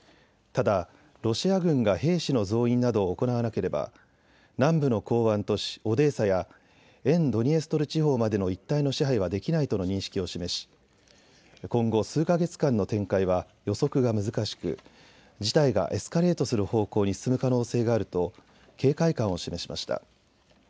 ただロシア軍が兵士の増員などを行わなければ南部の港湾都市オデーサや沿ドニエストル地方までの一帯の支配はできないとの認識を示し今後、数か月間の展開は予測が難しく事態がエスカレートする方向に進む可能性があると警戒感を示しました。